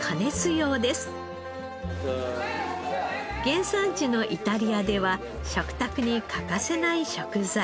原産地のイタリアでは食卓に欠かせない食材。